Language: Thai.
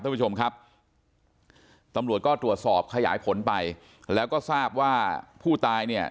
ท่านผู้ชมครับตำรวจก็ตรวจสอบขยายผลไปแล้วก็ทราบว่าผู้ตายเนี่ย